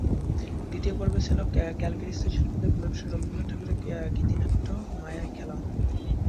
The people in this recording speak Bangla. দ্বিতীয় পর্বে ছিল ক্যালগেরিস্থ শিল্পীদের পরিবেশনায় রবীন্দ্রনাথ ঠাকুরের গীতিনাট্য মায়ার খেলা।